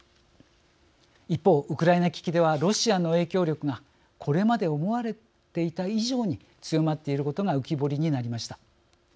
一方、ウクライナ危機ではロシアの影響力がこれまで思われていた以上に強まっていることが浮き彫りになりました。